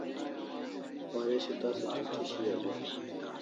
Waresho tasa chuti shiau e?